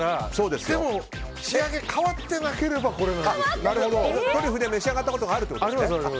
でも、仕上げが変わってなければトリュフで召し上がったことがあるということですね。